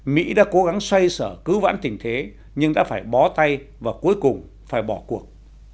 mỹ đã cố gắng xoay sở cứu vãn tình thế nhưng đã phải bó tay và cuối cùng phải bỏ cuộc